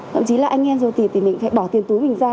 thậm chí là anh em ruột thịt thì mình phải bỏ tiền túi mình ra